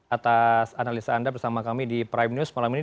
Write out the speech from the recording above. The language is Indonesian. atas analisa anda bersama kami di prime news malam ini